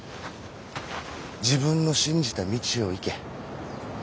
自分の信じた道を行け。